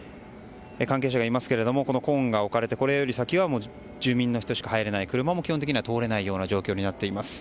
関係者がいますけれどもこのコーンが置かれてこれより先は住民の人しか入れない車も基本的には通れない状況になっています。